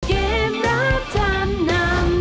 เกมรับจำนำ